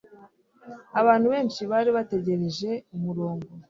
Abantu benshi bari bategereje umurongo